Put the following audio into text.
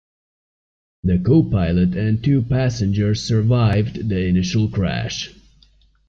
The co-pilot and two passengers survived the initial crash.